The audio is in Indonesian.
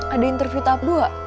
ada interview tahap dua